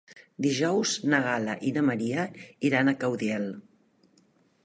Dijous na Gal·la i na Maria iran a Caudiel.